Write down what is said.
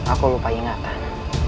aku lupa ingatan